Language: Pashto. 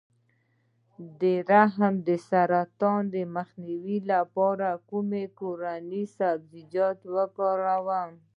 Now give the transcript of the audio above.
د رحم د سرطان مخنیوي لپاره د کومې کورنۍ سبزي وکاروم؟